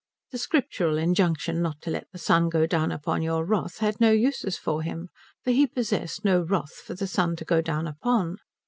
The scriptural injunction not to let the sun go down upon your wrath had no uses for him, for he possessed no wrath for the sun to go down upon.